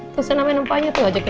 tuh saya namain ampanya tuh aja gini